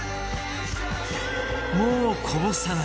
もうこぼさない！